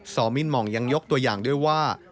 อมินมองยังยกตัวอย่างด้วยว่า